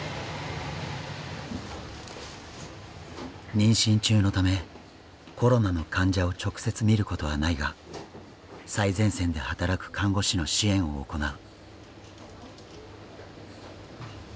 妊娠中のためコロナの患者を直接みることはないが最前線で働く看護師の支援を行う。